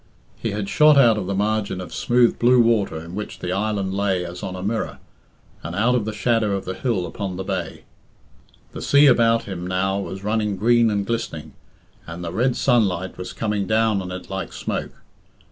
He had shot out of the margin of smooth blue water in which the island lay as on a mirror, and out of the shadow of the hill upon the bay. The sea about him now was running green and glistening, and the red sun ? light was coming down on it like smoke.